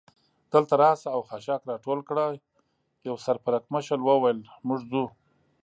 دلته راشئ او خاشاک را ټول کړئ، یوه سر پړکمشر وویل: موږ ځو.